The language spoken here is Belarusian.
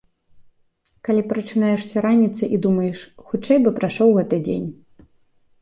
Калі прачынаешся раніцай і думаеш, хутчэй бы прайшоў гэты дзень.